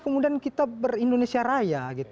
kemudian kita ber indonesia raya